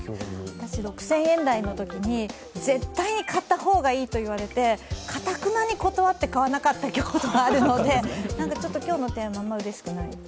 私、６０００円台のときに絶対に買った方がいいと言われて買わなかったことがあるので、今日のテーマ、あんまりうれしくない。